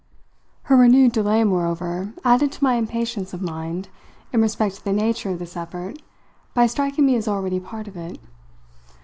Her renewed delay moreover added to my impatience of mind in respect to the nature of this effort by striking me as already part of it.